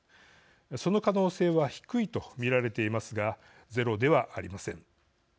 その可能性は低いと見られていますがゼロではありません。